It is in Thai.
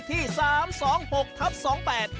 อันนี้ต้องตามผู้ภัยเข้ามาช่วยจับเพราะรับปืนไม่ไหวจริง